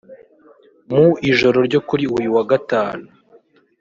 Mu ijoro ryo kuri uyu wa Gatanu